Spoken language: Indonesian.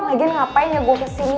lagi ngapain ya gue kesini